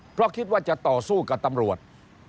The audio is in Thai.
เพราะคิดว่าจะต่อสู้กับตำรวจ